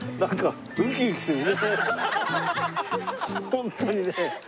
ホントにね。